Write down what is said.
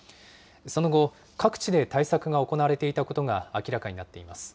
その後、各地で対策が行われていたことが明らかになっています。